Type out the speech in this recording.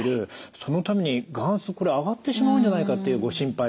そのために眼圧上がってしまうんじゃないかっていうご心配がある。